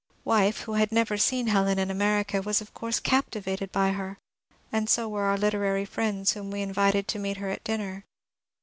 Wife, who had never seen Helen in America, was of course captivated by her, and so were our literary friends whom we invited to meet her at dinner.